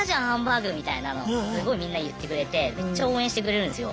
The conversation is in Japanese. すごいみんな言ってくれてめっちゃ応援してくれるんですよ。